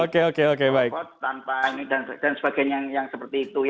dan sebagainya yang seperti itu